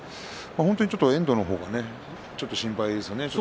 遠藤の方がちょっと心配ですね。